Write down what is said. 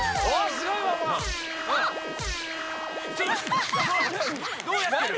すごい！どうやってる？